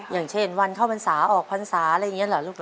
อย่างเช่นวันเข้าวันสาออกวันสาอะไรอย่างนี้เหรอลูกเหรอ